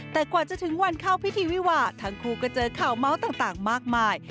แต่กว่าจะถึงวันเข้าพิธีวิวาทั้งคู่ก็เจอข่าวเมาส์ต่างมากมาย